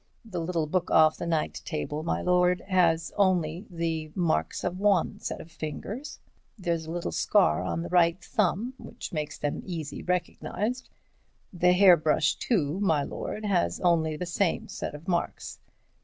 The little book off the night table, my lord, has only the marks of one set of fingers—there's a little scar on the right thumb which makes them easy recognized. The hairbrush, too, my lord, has only the same set of marks.